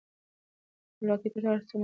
خپلواکي تر هر څه مهمه ده.